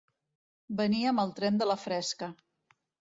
Venir amb el tren de la fresca.